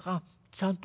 ちゃんと。